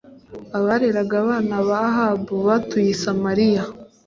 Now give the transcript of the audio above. abareraga abana ba ahabu batuye i samariya